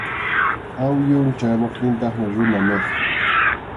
Awyun chayamuptintaqmi runa niq.